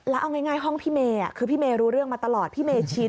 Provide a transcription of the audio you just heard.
แล้วเอาง่ายห้องพี่เมย์คือพี่เมย์รู้เรื่องมาตลอดพี่เมชิน